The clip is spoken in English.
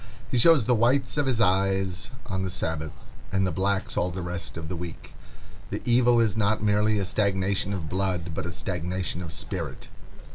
He shows the whites of his eyes on the Sabbath, and the blacks all the rest of the week. The evil is not merely a stagnation of blood, but a stagnation of spirit.